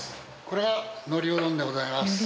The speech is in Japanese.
これがのりうどんでございます。